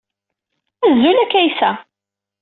Azul a Kaysa.